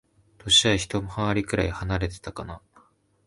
歳はひと回りくらい離れてたかな。